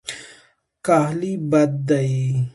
کاهلي بد دی.